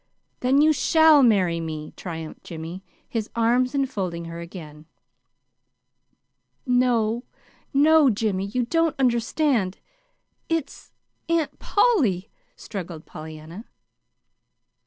"Then you shall marry me," triumphed Jimmy, his arms enfolding her again. "No, no, Jimmy, you don't understand. It's Aunt Polly," struggled Pollyanna.